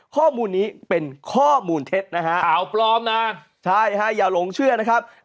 ข้อมูลนี้เป็นข้อมูลเท็จนะฮะใช่ฮะอย่าหลงเชื่อนะครับข่าวปลอมนะ